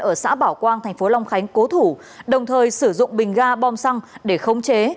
ở xã bảo quang thành phố long khánh cố thủ đồng thời sử dụng bình ga bom xăng để khống chế